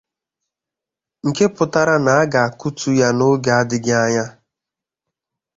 nke pụtara na a ga-akụtu ya oge adịghị anya